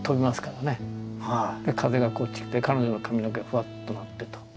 で風がこっち来て彼女の髪の毛がフワッとなってと。